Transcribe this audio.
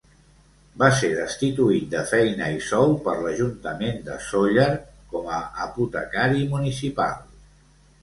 Va ser destituït de feina i sou per l'Ajuntament de Sóller com a apotecari municipal.